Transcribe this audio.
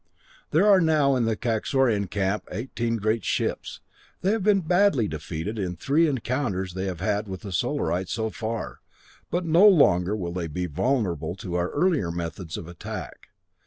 "There are now in the Kaxorian camp eighteen great ships. They have been badly defeated in the three encounters they have had with the Solarite so far. But no longer will they be vulnerable to our earlier methods of attack.